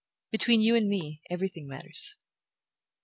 "Between you and me everything matters."